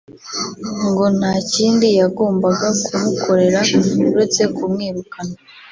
ngo nta kindi yagombaga kumukorera uretse kumwirukana